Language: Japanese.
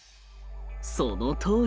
そのとおり！